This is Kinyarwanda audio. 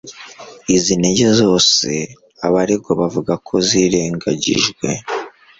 Izi nenge zose, abaregwa bavuga ko zirengagijwe